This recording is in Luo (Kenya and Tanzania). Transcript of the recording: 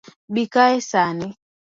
Bii kae saa ni